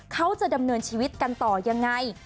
เขาจะดำเนินชีวิตกันต่อยังไง